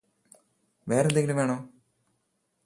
വേറെയെന്തെങ്കിലും വേണോ